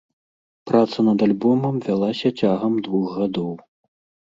Праца над альбомам вялася цягам двух гадоў.